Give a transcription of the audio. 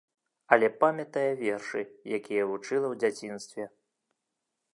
Але памятае вершы, якія вучыла ў дзяцінстве.